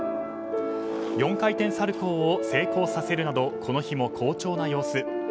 ４回転サルコウを成功させるなどこの日も好調な様子。